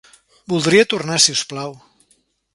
Voldria tornar, si us plau.